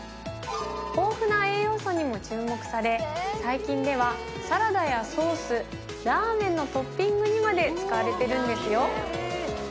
豊富な栄養素にも注目され最近ではサラダやソースラーメンのトッピングにまで使われてるんですよ。